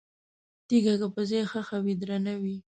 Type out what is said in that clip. تیګه که په ځای ښخه وي، درنه وي؛